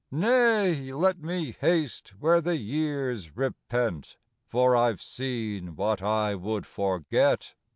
" Nay, let me haste where the years repent, For I ve seen what I would forget."